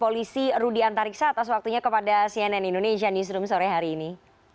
polisi rudy antariksa atas waktunya kepada cnn indonesia newsroom sore hari ini